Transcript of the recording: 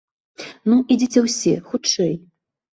Ну, ідзіце ўсе, хутчэй!